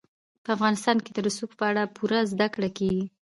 په افغانستان کې د رسوب په اړه پوره زده کړه کېږي.